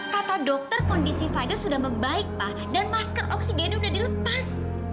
kata dokter kondisi virus sudah membaik pak dan masker oksigennya sudah dilepas